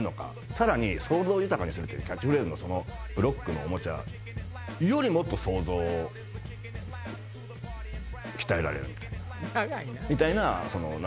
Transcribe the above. さらに想像豊かにするっていうキャッチフレーズのブロックのおもちゃよりもっと想像を鍛えられるみたいな。